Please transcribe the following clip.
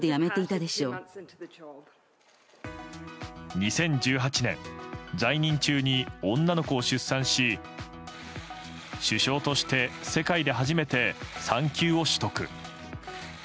２０１８年在任中に女の子を出産し首相として世界で初めて産休を取得。